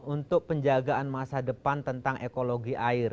untuk penjagaan masa depan tentang ekologi air